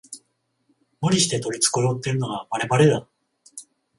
無理して取り繕ってるのがバレバレだ